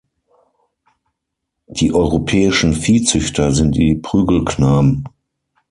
Die europäischen Viehzüchter sind die Prügelknaben.